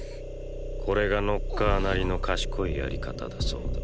これがノッカーなりの賢いやり方だそうだ。